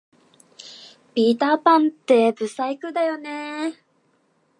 ピーターパンって不細工だよね